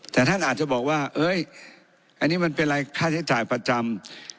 แต่ท่านอาจจะบอกว่าอันนี้มันเป็นอะไรค่าใช้จ่ายประจำ